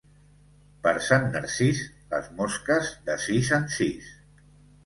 Per Sant Narcís, les mosques de sis en sis.